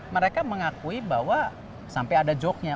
mereka mengakui bahwa sampai ada joke nya